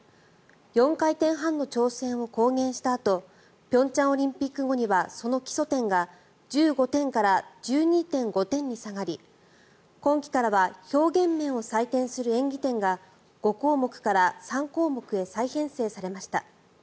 ４回転半の挑戦を公言したあと平昌オリンピック後にはその基礎点が１５点から１２．５点に下がり今季からは表現面を採点する演技点が５項目から３項目へ再編成されました。